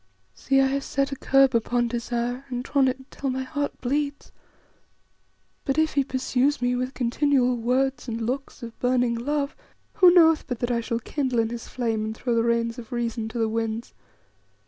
See, I have set a curb upon desire and drawn it until my heart bleeds; but if he pursues me with continual words and looks of burning love, who knoweth but that I shall kindle in his flame and throw the reins of reason to the winds?